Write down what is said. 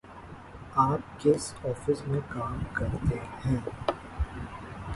آپ کی آفس میں کام کرتے ہیں۔